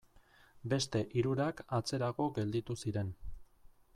Beste hirurak atzerago gelditu ziren.